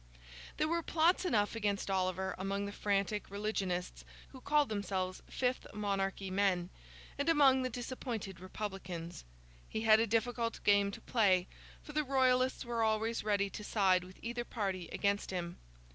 There were plots enough against Oliver among the frantic religionists (who called themselves Fifth Monarchy Men), and among the disappointed Republicans. He had a difficult game to play, for the Royalists were always ready to side with either party against him.